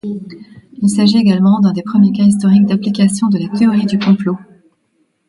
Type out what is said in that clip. Il s'agit également d'un des premiers cas historiques d'application de la Théorie du complot.